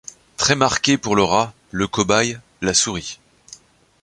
Très marqué pour le rat, le cobaye, la souris.